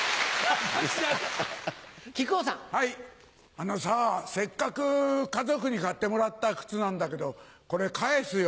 あのさせっかく家族に買ってもらった靴なんだけどこれ返すよ。